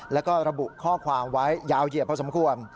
แล้วก็ระบุข้อความไว้ยาวเหยียดพอสมควร